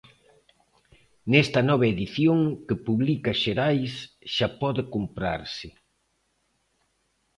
Nesta nova edición, que publica Xerais, xa pode comprarse.